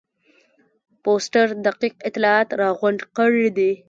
فورسټر دقیق اطلاعات راغونډ کړي دي.